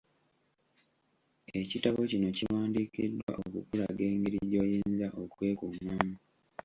Ekitabo kino kiwandiikiddwa okukulaga engeri gy'oyinza okwekuumamu.